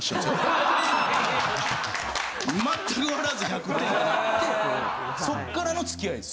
全く笑わず１００点ってなってそっからの付き合いです。